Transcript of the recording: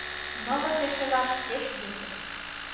Нылыте шелаш пеш йӧсӧ.